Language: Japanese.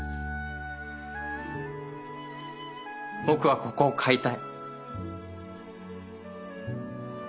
僕はここを買いたい。